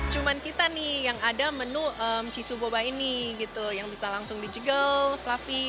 cuman kita nih yang ada menu cisuboba ini gitu yang bisa langsung dijegel fluffy